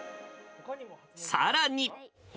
さらに。